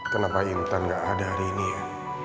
kenapa intan gak ada hari ini ya